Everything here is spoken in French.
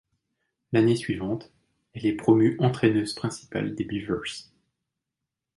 L'année suivante, elle est promue entraîneuse principale des Beavers.